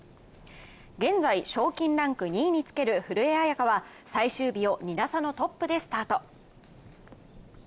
現在、賞金ランク２位につける古江彩佳は最終日を２打差のトップでスタート。